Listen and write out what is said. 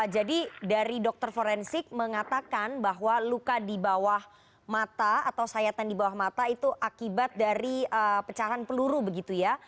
jadi dari dokter forensik mengatakan bahwa luka di bawah mata atau sayatan di bawah mata itu akibat dari pecahan peluru begitu ya